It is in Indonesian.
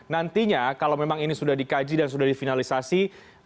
nantinya kalau memang ini sudah dikaji dan sudah difinalisasi